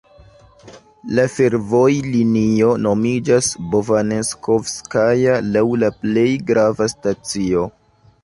La fervojlinio nomiĝas Bovanenskovskaja laŭ la plej grava stacio.